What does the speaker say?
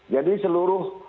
jadi seluruh rakyat